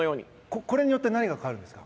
これによって何が変わりますか？